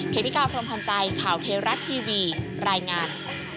เมกาพรมพันธ์ใจข่าวเทวรัฐทีวีรายงาน